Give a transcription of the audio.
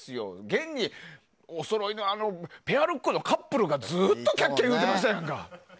現におそろいのペアルックのカップルがずっとキャッキャ言うてましたやんか。